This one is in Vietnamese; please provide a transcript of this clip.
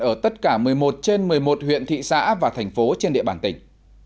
ở tất cả một mươi một trên một mươi một huyện thị xã và thành phố trên địa bàn tỉnh